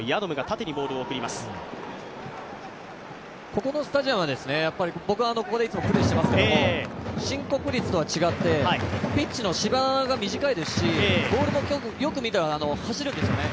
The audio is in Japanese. ここのスタジアムは僕はいつもここでプレーしていますけれども、新国立とは違ってピッチの芝が短いですしボールもよく見たら走るんですよね。